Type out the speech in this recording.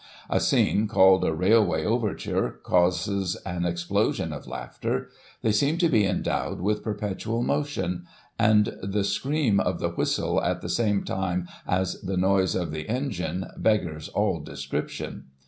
A scene called a * Railway Overture,* causes an explosion of laughter ; they seem to be endowed with perpetual motion ; and the scream of the whistle, at the same time as the noise of the engine, beggars all description.